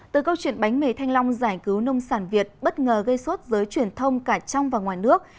từ câu chuyện bánh mì thanh long giải cứu nông sản việt bất ngờ gây sốt giới truyền thông cả trong và ngoài nước